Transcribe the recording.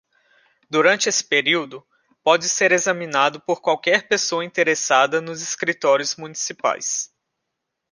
Durante esse período, pode ser examinado por qualquer pessoa interessada nos escritórios municipais.